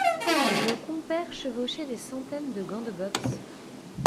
Le compère chevauchait des centaines de gants de boxe.